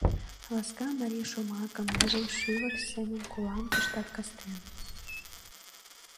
Ласка марий шомакым, ныжыл шӱвыр семым Колам тыштат кастен.